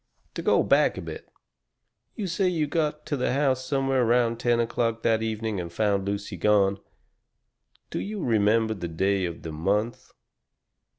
"To go back a bit. You say you got to the house somewhere around ten o'clock that evening and found Lucy gone. Do you remember the day of the month?"